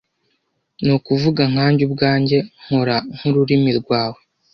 (Nukuvuga nkanjye ubwanjye, Nkora nkururimi rwawe,